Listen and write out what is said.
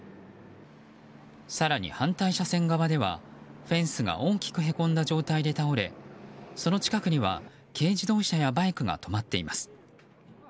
更に、反対車線側ではフェンスが大きくへこんだ状態で倒れその近くには軽自動車やバイクが止まっています。